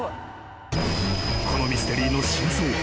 ［このミステリーの真相